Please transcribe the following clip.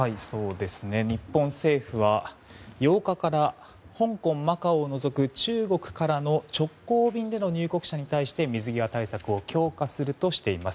日本政府は、８日から香港、マカオを除く中国からの直行便での入国者に対して水際対策を強化するとしています。